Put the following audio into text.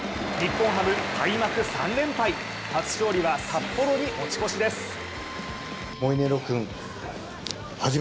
日本ハム、開幕３連敗初勝利は札幌に持ち越しです。